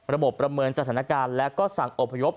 ประเมินสถานการณ์และก็สั่งอบพยพ